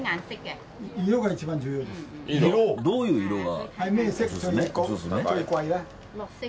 どういう色が？